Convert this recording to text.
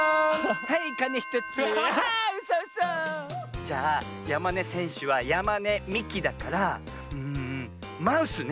じゃあやまねせんしゅはやまねみきだからんマウスね。